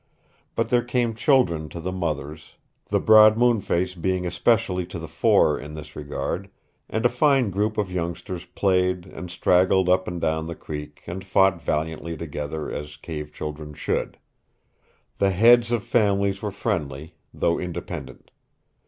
But there came children to the mothers, the broad Moonface being especially to the fore in this regard, and a fine group of youngsters played and straggled up and down the creek and fought valiantly together, as cave children should. The heads of families were friendly, though independent.